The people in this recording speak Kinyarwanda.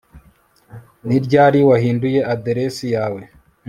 ni ryari wahinduye aderesi yawe